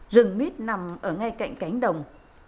rừng mít nằm ở ngay cạnh cánh đồng